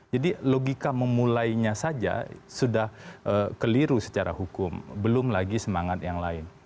jadi logika memulainya saja sudah keliru secara hukum belum lagi semangat yang lain